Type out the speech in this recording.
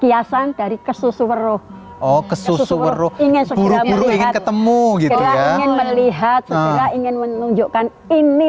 kiasan dari kesusuruh oh kesusuruh ingin segera menutup ketemu gitu ya lihat ingin menunjukkan ini